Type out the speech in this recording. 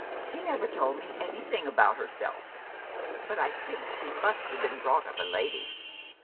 She never told me anything about herself ; but I think she must have been brought up a lady.